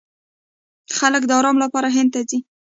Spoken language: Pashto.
خلک د ارام لپاره هند ته ځي.